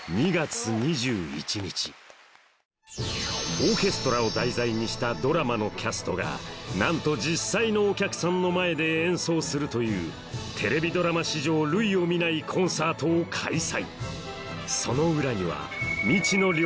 オーケストラを題材にしたドラマのキャストがなんと実際のお客さんの前で演奏するというテレビドラマ史上類を見ないコンサートを開催